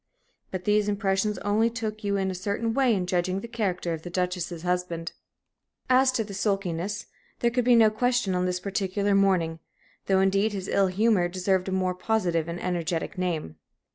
But these impressions only took you a certain way in judging the character of the Duchess's husband. As to the sulkiness, there could be no question on this particular morning though, indeed, his ill humor deserved a more positive and energetic name.